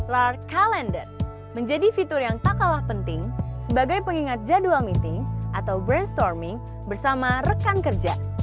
lark calendar menjadi fitur yang tak kalah penting sebagai pengingat jadwal meeting atau brainstorming bersama rekan kerja